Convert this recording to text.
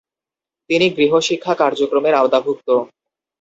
তিনি গৃহ শিক্ষা কার্যক্রমের আওতাভুক্ত।